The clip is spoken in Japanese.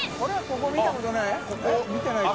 ここ見たことない？